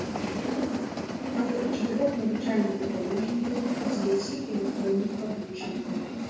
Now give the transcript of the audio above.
Аўтар чатырох навучальных дапаможнікаў і дзевяці электронных падручнікаў.